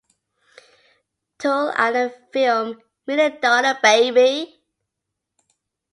Toole and the film "Million Dollar Baby".